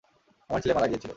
আমার ছেলে মারা গিয়েছিলো।